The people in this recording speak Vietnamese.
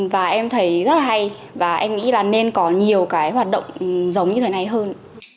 và em thấy rất là hay và em nghĩ là nên có nhiều cái hoạt động giống như thế này hơn